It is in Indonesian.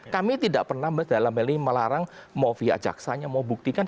kami tidak pernah dalam hal ini melarang mau via jaksanya mau buktikan